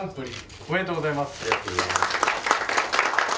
おめでとうございます。